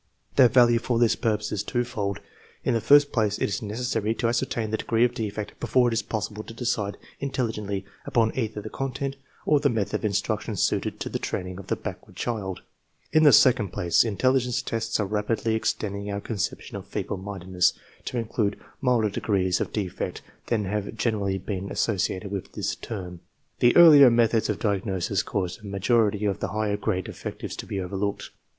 Their value for this purpose is twofold. In the first place, it is necessary to ascertain the degree of defect before it is possible to decide 6 THE MEASUREMENT OF INTELLIGENCE intelligently upon either tlie content or llie method of in struction suited to the training of the backward child. In the second place, intelligence tests are rapidly extending our conception of <fc feeble mindedness " to include milder degrees of defect than have generally been associated with this term. The earlier methods of diagnosis caused a major ity of the higher grade defectives to he overlooked.